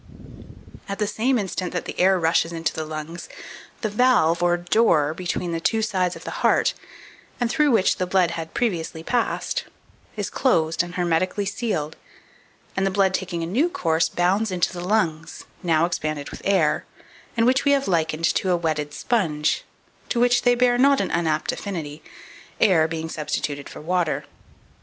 2454. At the same instant that the air rushes into the lungs, the valve, or door between the two sides of the heart and through which the blood had previously passed is closed and hermetically sealed, and the blood taking a new course, bounds into the lungs, now expanded with air, and which we have likened to a wetted sponge, to which they bear a not unapt affinity, air being substituted for water.